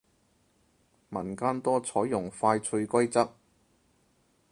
民間多採用快脆規則